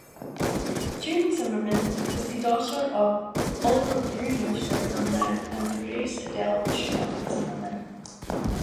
June Zimmerman was the daughter of Oliver Brunner Zimmerman and Grace Adele Bushnell Zimmerman.